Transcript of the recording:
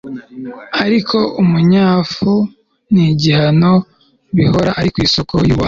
ariko umunyafu n'igihano bihora ari isoko y'ubuhanga